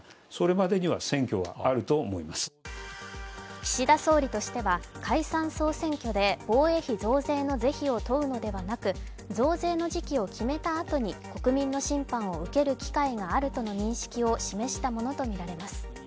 岸田総理としては解散・総選挙で防衛費増税の是非を問うのではなく増税の時期を決めたあとに国民の審判を受ける機会があるとの認識を示したものとみられます。